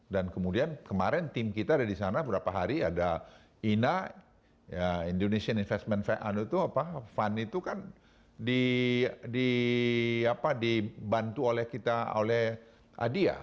dan kemudian kemarin tim kita ada di sana beberapa hari ada ina indonesian investment fund itu kan dibantu oleh kita oleh adia